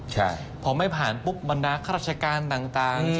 ใช่พอไม่ผ่านปุ๊บบรรดาข้าราชการต่าง